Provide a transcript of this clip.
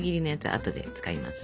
あとで使います。